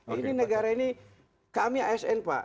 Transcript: ini negara ini kami asn pak